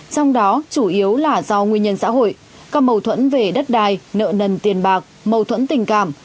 trong đó chủ yếu là do nguyên nhân xã hội các mô thuẫn về đất đài nợ nần tiền bạc mô thuẫn tình cảm